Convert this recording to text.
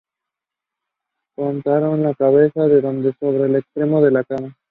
Cortaron la cabeza del conde sobre el extremo de la cama.